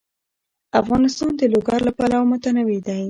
افغانستان د لوگر له پلوه متنوع دی.